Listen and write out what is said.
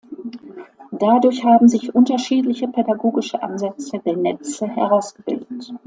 Dadurch haben sich unterschiedliche pädagogische Ansätze der „Netze“ herausgebildet.